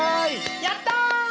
やった！